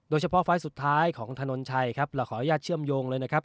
ไฟล์สุดท้ายของถนนชัยครับเราขออนุญาตเชื่อมโยงเลยนะครับ